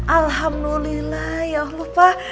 alhamdulillah ya allah pak